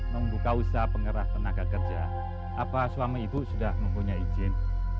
membuka usaha pengerah tenaga kerja apa suami ibu sudah mempunyai izin